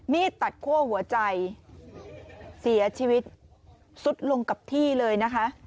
มีดตัดคั่วหัวใจเสียชีวิตสุดลงกับที่เลยนะคะ